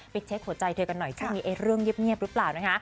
ไปเช็คหัวใจเธอกันหน่อยว่ามีไอ้เรื่องเย็บเงียบรึเปล่านะคะ